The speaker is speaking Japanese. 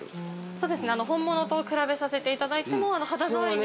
◆そうですね、本物と比べさせていただいても肌触りが。